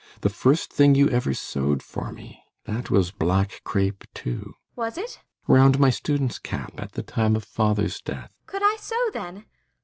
The first thing you ever sewed for me that was black crape, too. ASTA. Was it? ALLMERS. Round my student's cap at the time of father's death. ASTA. Could I sew then?